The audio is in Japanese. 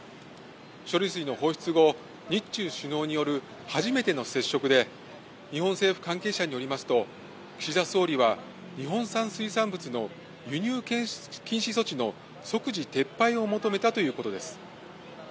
処理水の放出後、日中首脳による初めての接触で日本政府関係者によると岸田総理は日本産水産物の輸入禁止措置の即時撤廃を求めたということです。